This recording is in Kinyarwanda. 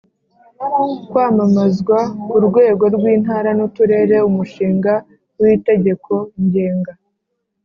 kwamamazwa ku rwego rw Intara n Uturere Umushinga w Itegeko ngenga